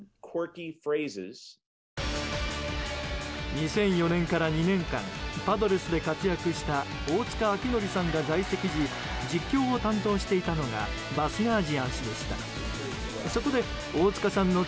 ２００４年から２年間パドレスで活躍した大塚晶則さんが在籍時実況を担当していたのがバスガーシアン氏でした。